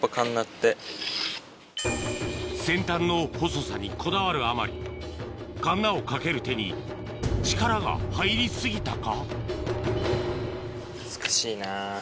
先端の細さにこだわるあまりカンナをかける手に力が入り過ぎたか？